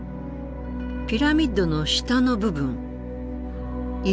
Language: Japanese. ピラミッドの下の部分色が違うわね。